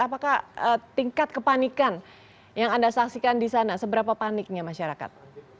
apakah tingkat kepanikan yang anda saksikan di sana seberapa paniknya masyarakat